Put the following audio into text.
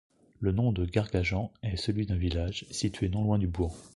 Le nom de Gargajan est celui d'un village, situé non loin du bourg.